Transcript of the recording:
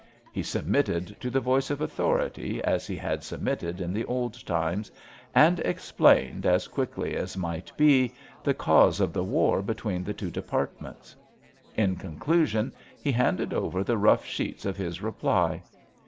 He sub mitted to the \ voice of authority, as he had sub mitted in the old times, and explained as quickly as might be the cause of the war between the two Departments. In conclusion he handed over the rough sheets of his reply.